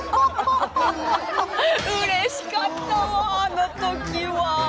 うれしかったわあの時は。